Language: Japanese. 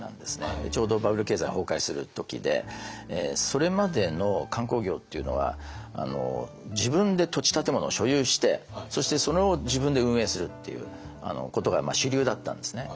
それまでの観光業っていうのは自分で土地建物を所有してそしてそれを自分で運営するっていうことが主流だったんですね。